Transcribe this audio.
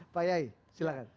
pak yayi silakan